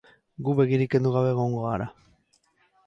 Gu begirik kendu gabe egongo gara.